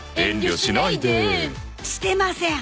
してません